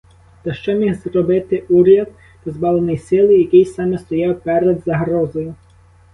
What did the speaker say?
Та що міг зробити уряд, позбавлений сили і який саме стояв перед загрозою?